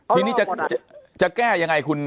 ทีนี้จะแก้ยังไงคุณ